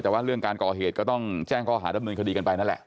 แต่ว่าเรื่องการก่อเหตุก็ต้องแจ้งข้อหาดำเนินคดีกันไปนั่นแหละ